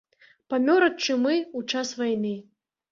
Памёр ад чумы ў час вайны.